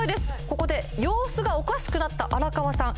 ここで様子がおかしくなった荒川さん